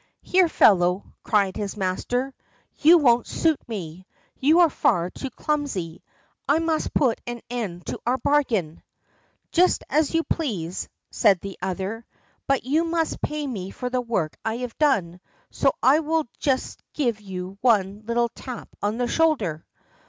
"Here, fellow," cried his master, "you won't suit me; you are far too clumsy. I must put an end to our bargain." "Just as you please," said the other, "but you must pay me for the work I have done, so I will just give you one little tap on the shoulder."